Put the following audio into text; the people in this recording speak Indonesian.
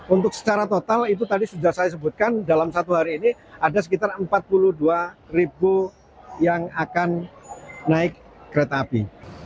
untuk secara total itu tadi sudah saya sebutkan dalam satu hari ini ada sekitar empat puluh dua ribu yang akan naik kereta api